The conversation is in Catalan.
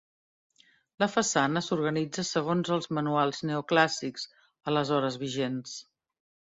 La façana s'organitza segons els manuals neoclàssics, aleshores vigents.